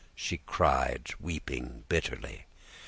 she cried, weeping bitterly.